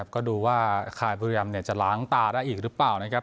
ก็ดูว่าคลายพฤยามเนี่ยจะล้างตาได้อีกหรือเปล่านะครับ